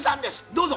どうぞ。